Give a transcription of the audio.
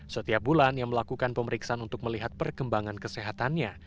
setiap bulan ia melakukan pemeriksaan untuk melihat perkembangan kesehatannya